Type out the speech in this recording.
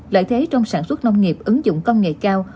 lợi thế trong sản xuất nông nghiệp ứng dụng công nghệ cao